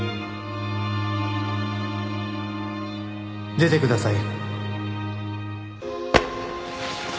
出てください。